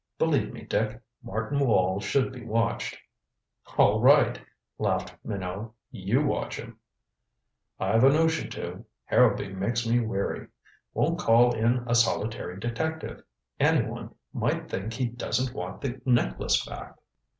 Believe me, Dick, Martin Wall should be watched." "All right," laughed Minot, "you watch him." "I've a notion to. Harrowby makes me weary. Won't call in a solitary detective. Any one might think he doesn't want the necklace back."